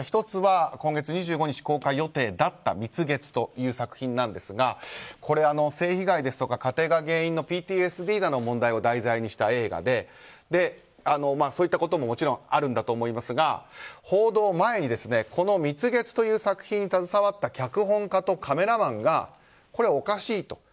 １つは今月２５日公開予定だった「蜜月」という作品ですがこれは、性被害や家庭が原因のＰＴＳＤなどの問題を題材にした映画でそういったことももちろんあるんだと思いますが報道前にこの「蜜月」という作品に携わった脚本家とカメラマンがこれはおかしいと。